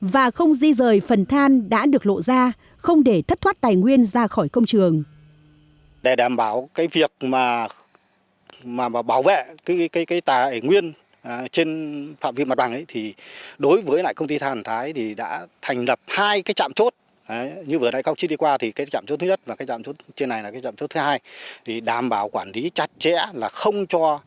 và không di rời phần than đã được lộ ra không để thất thoát tài nguyên ra khỏi công trường